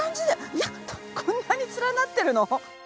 いやっこんなに連なってるの？